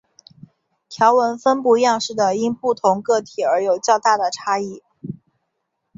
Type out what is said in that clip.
条纹分布样式的因不同个体而有较大的差异。